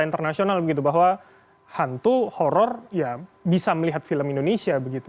internasional begitu bahwa hantu horror ya bisa melihat film indonesia begitu